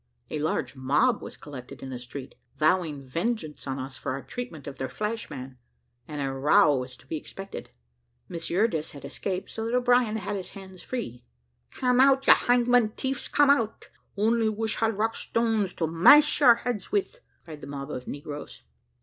A large mob was collected in the street, vowing vengeance on us for our treatment of their flash man, and a row was to be expected. Miss Eurydice had escaped, so that O'Brien had his hands free. "Cam out, you hangman tiefs, cam out! only wish had rock stones to mash your heads with," cried the mob of negroes.